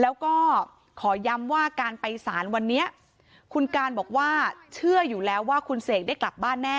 แล้วก็ขอย้ำว่าการไปสารวันนี้คุณการบอกว่าเชื่ออยู่แล้วว่าคุณเสกได้กลับบ้านแน่